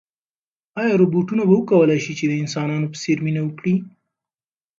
ایا روبوټونه به وکولای شي چې د انسانانو په څېر مینه وکړي؟